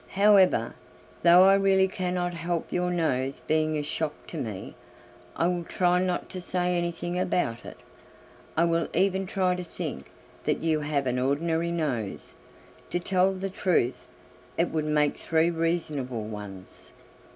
However, though I really cannot help your nose being a shock to me, I will try not to say anything about it. I will even try to think that you have an ordinary nose. To tell the truth, it would make three reasonable ones."